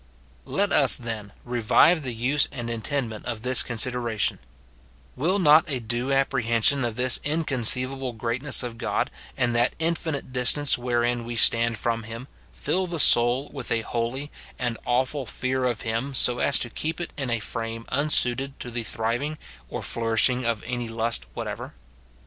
Let us, then, revive the use and intendment of this consideration : Will not a due apprehension of this in conceivable greatness of God, and that infinite distance wherein we stand from him, fill the soul with a holy and awful fear of him, so as to keep it in a frame unsuited to the thriving or flourishing of any lust whatever